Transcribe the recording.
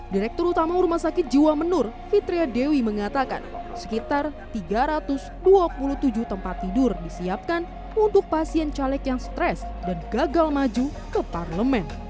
direktur utama rumah sakit jiwa menur fitria dewi mengatakan sekitar tiga ratus dua puluh tujuh tempat tidur disiapkan untuk pasien caleg yang stres dan gagal maju ke parlemen